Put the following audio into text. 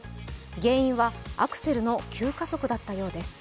原因はアクセルの急加速だったようです。